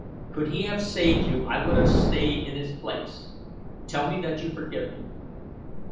Could he have saved you I would have stayed in his place. Tell me that you forgive me."